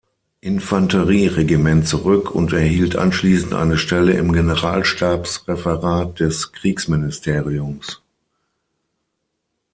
Infanterie-Regiment zurück und erhielt anschließend eine Stelle im Generalstabs-Referat des Kriegsministeriums.